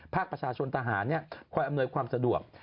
ภาคประชาชนทหารคอยอำนวยความสะดวก